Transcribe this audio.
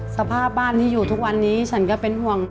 สภาพบ้านที่อยู่ทุกวันนี้ฉันก็เป็นห่วง